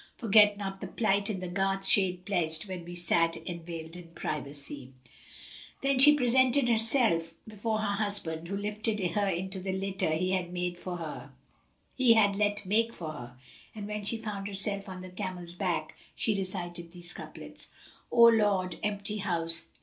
Forget not the plight in the garth shade pledged * When we sat enveiléd in privacy:" Then she presented herself before her husband, who lifted her into the litter he had let make for her; and, when she found herself on the camel's back, she recited these couplets, "The Lord, empty House!